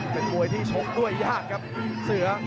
เป็นมวยที่ชกด้วยยากครับเสือ